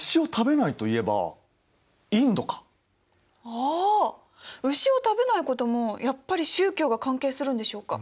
ああ牛を食べないこともやっぱり宗教が関係するんでしょうか？